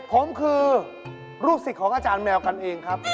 ผมคือลูกศิษย์ของอาจารย์แมวกันเองครับ